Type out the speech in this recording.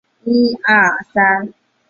西门君遂大为反感。